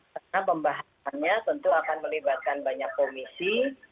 karena pembahasannya tentu akan melibatkan banyak komisi